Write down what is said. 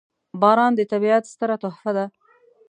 • باران د طبیعت ستره تحفه ده.